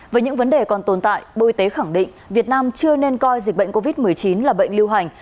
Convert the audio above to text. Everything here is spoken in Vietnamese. với những vấn đề còn tồn tại bộ y tế khẳng định việt nam chưa nên coi dịch bệnh covid một mươi chín là bệnh lưu hành